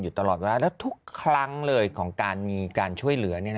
อยู่ตลอดเวลาแล้วทุกครั้งเลยของการมีการช่วยเหลือเนี้ยนะ